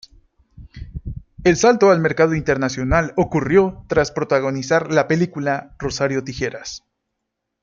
El salto al mercado internacional ocurrió tras protagonizar la película "Rosario Tijeras".